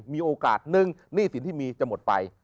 มีโอกาสหนึ่งหนี้สินที่มีจะหมดไป